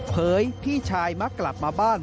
พี่ชายมักกลับมาบ้าน